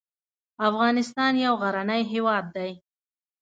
افغانستان يو غرنی هېواد دی